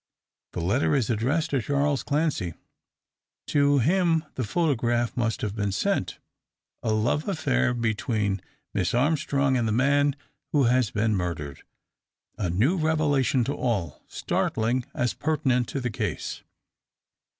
The letter is addressed to Charles Clancy; to him the photograph must have been sent. A love affair between Miss Armstrong and the man who has been murdered! A new revelation to all startling, as pertinent to the case.